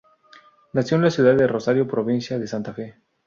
Nació en la ciudad de Rosario, provincia de Santa Fe.